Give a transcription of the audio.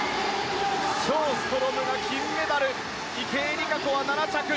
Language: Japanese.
ショーストロムが金メダル池江璃花子は７着。